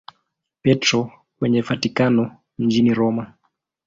Petro kwenye Vatikano mjini Roma.